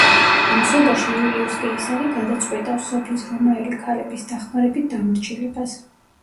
ამასობაში იულიუს კეისარი გადაწყვიტავს, სოფლის რომაელი ქალების დახმარებით დამორჩილებას.